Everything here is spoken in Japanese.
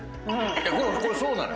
これそうなのよ